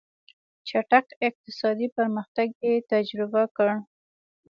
چټک اقتصادي پرمختګ یې تجربه کړ.